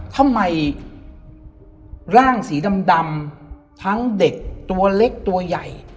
ทำไมร่างสีดำทั้งเด็กตัวเล็กตัวใหญ่